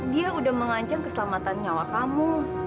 dia udah mengancam keselamatan nyawa kamu